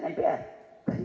keluarga besar luar negeri